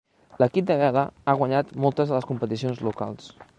L'equip de vela ha guanyat moltes de les competicions locals.